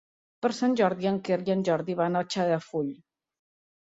Per Sant Jordi en Quer i en Jordi van a Xarafull.